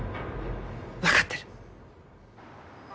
わかってる。